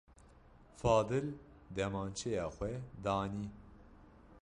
Fadil demançeya xwe danî.